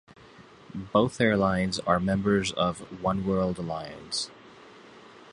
Both airlines are members of the Oneworld alliance.